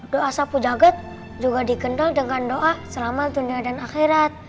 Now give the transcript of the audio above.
doa sapu jagad juga dikenal dengan doa selamat dunia dan akhirat